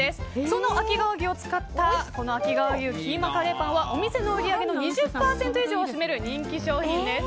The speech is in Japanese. その秋川牛を使った秋川牛キーマカレーパンはお店の売り上げの２０％以上を占める人気商品です。